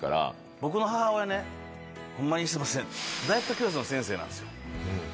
僕の母親ね、ほんまにすみません、ダイエット教室の先生なんですよ。